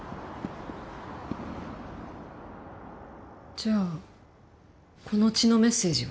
じゃあこの血のメッセージは？